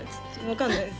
分かんないです